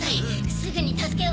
すぐに助けを。